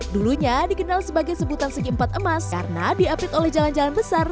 dulunya dikenal sebagai sebutan segi empat emas karena diapit oleh jalan jalan besar